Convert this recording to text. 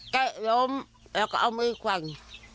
ก็ล้มแล้วก็เอามือกว่ง